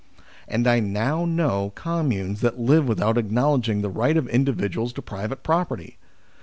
And I now know communes that live without acknowledging the right of individuals to private property.